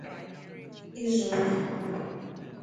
izu ohi